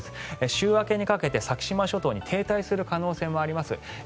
週明けにかけて先島諸島に停滞する可能性もあります。